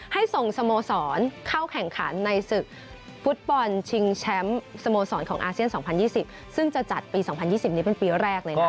ส่งสโมสรเข้าแข่งขันในศึกฟุตบอลชิงแชมป์สโมสรของอาเซียน๒๐๒๐ซึ่งจะจัดปี๒๐๒๐นี้เป็นปีแรกเลยนะ